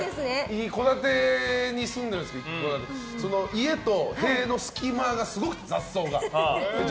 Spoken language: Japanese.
一戸建てに住んでるんですけど家と塀の隙間がすごくて、雑草が。